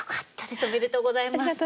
ありがとうございます。